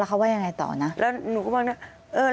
แล้วเขาว่ายังไงต่อนะแล้วหนูก็บอกอย่างนั้น